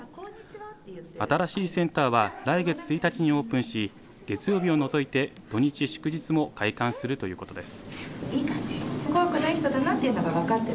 新しいセンターは来月１日にオープンし月曜日を除いて土日、祝日も開館するということです。